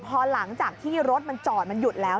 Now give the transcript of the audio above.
พอหลังจากที่รถมันจอดมันหยุดแล้ว